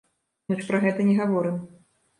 Мы ж пра гэта не гаворым.